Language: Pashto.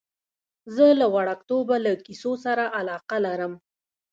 زه له وړکتوبه له کیسو سره علاقه لرم.